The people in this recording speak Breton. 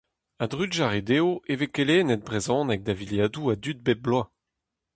A-drugarez dezho e vez kelennet brezhoneg da viliadoù a dud bep bloaz.